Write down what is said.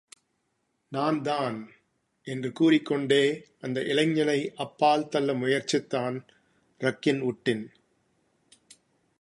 நான்தான்! என்று கூறிக் கொண்டே, அந்த இளைஞனை அப்பால் தள்ள முயற்சித்தான் ரக்கின் உட்டின்.